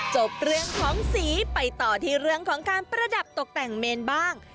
จบเรื่องของสีไปต่อที่เรื่องของการประดับตกแต่งเมนบ้าง